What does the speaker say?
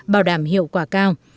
bảo đảm hiệu quả cao